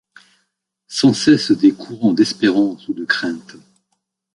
Sans cesse des courants d’espérance ou de crainte